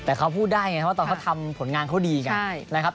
แต่เขาพูดได้ไงเพราะตอนเขาทำผลงานเขาดีกัน